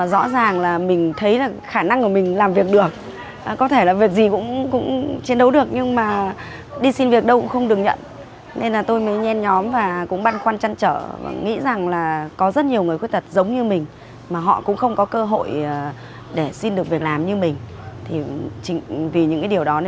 để xin được việc làm như mình vì những điều đó tôi đã thành lập hợp tác xã thủ công mỹ nghệ trái tim hồng